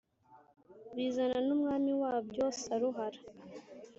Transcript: bizana n’umwami wabyo Saruhara.